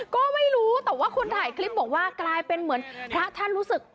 ก็ไม่รู้แต่ว่าคนถ่ายคลิปบอกว่ากลายเป็นเหมือนพระท่านรู้สึก